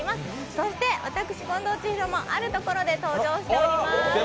そして、私、近藤千尋もあるところで登場しております。